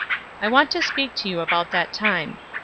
I want to speak to you about that time.